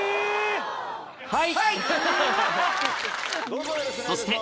はい。